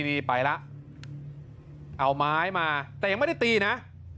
นี่ไปแล้วเอาไม้มาแต่ยังไม่ได้ตีนะ